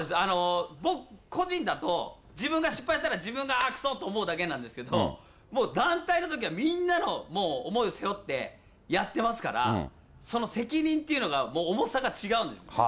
僕、個人だと、自分が失敗したら自分があーくそと思うだけなんですけど、もう団体のときはみんなのもう思いを背負ってやってますから、その責任っていうのが、もう重さが違うんです。